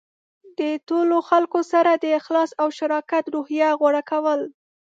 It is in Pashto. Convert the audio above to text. د ټولو خلکو سره د اخلاص او شراکت روحیه غوره کول.